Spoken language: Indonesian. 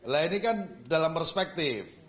lain lain ini kan dalam perspektif